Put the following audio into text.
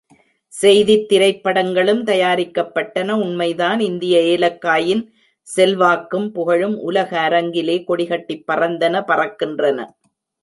செய்தித் திரைப்படங்களும் தயாரிக்கப்பட்டன உண்மை தான்! —இந்திய ஏலக்காயின் செல்வாக்கும் புகழும் உலக அரங்கிலே கொடிகட்டிப் பறந்தன பறக்கின்றன.